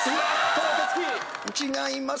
違います